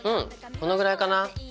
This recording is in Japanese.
このぐらいかな。